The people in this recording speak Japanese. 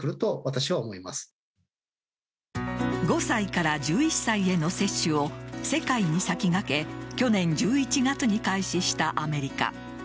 ５歳から１１歳への接種を世界に先駆け去年１１月に開始したアメリカ。